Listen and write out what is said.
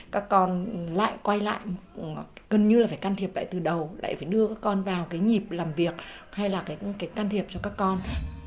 các con lại quay lại gần như là phải can thiệp lại từ đầu lại phải đưa các con vào cái nhịp làm việc hay là cái can thiệp cho các con